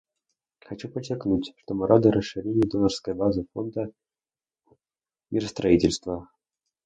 Хочу подчеркнуть, что мы рады расширению донорской базы Фонда миростроительства.